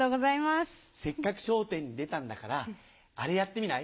せっかく『笑点』に出たんだからあれやってみない？